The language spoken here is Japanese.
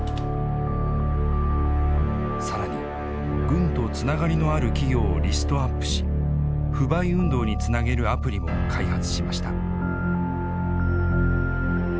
更に軍とつながりのある企業をリストアップし不買運動につなげるアプリも開発しました。